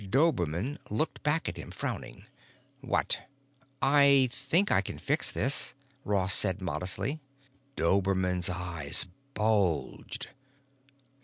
Dobermann looked back at him, frowning. "What?" "I think I can fix this," Ross said modestly. Dobermann's eyes bulged.